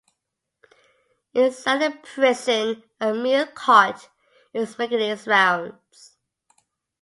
Inside a prison, a meal cart is making its rounds.